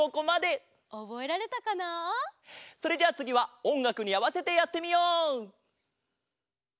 それじゃあつぎはおんがくにあわせてやってみよう！